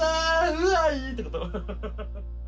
うわぃ！ってこと？